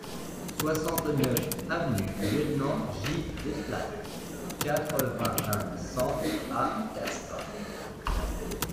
soixante-neuf avenue Lieutenant J Desplats, quatre-vingt-un, cent à Castres